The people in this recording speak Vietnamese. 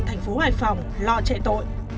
thành phố hải phòng lo chạy tội